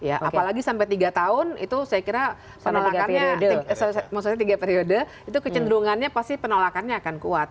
apalagi sampai tiga tahun itu saya kira penolakannya maksudnya tiga periode itu kecenderungannya pasti penolakannya akan kuat